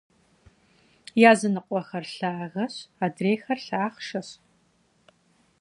Языныкъуэхэр лъагэщ, адрейхэр лъахъшэщ.